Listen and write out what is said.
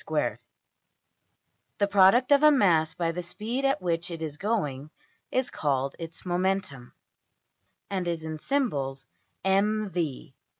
\end{DPalign*} The product of a mass by the speed at which it is going is called its \emph{momentum}, and is in symbols~$mv$.